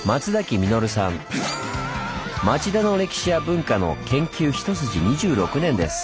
町田の歴史や文化の研究一筋２６年です。